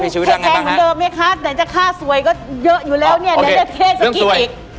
แต่จะค่าสวยก็เยอะอยู่แล้วเนี่ยแล้วจะเคลียร์สักทีอีก